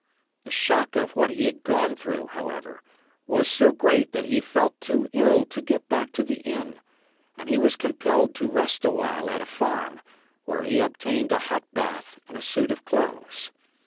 The shock of what he had gone through, however, was so great that he felt too ill to get back to the inn, and he was compelled to rest awhile at a farm, where he obtained a hot bath and a suit of clothes.